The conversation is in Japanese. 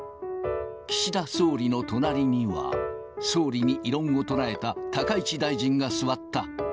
岸田総理の隣には、総理に異論を唱えた高市大臣が座った。